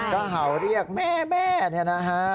ก็เหารียกแม่นะครับ